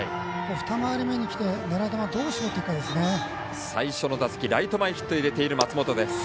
二回り目にきて狙い球をどう絞っていくかですね。